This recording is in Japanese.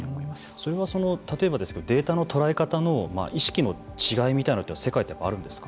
それは例えばデータの捉え方の意識の違いみたいなのは世界とあるんですか。